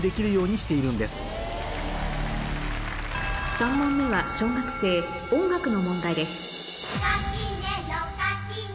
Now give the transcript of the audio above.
３問目は小学生音楽の問題です